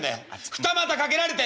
二股かけられてんだよ！」。